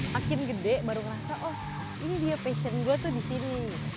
makin gede baru ngerasa oh ini dia passion gue tuh di sini